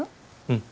うん。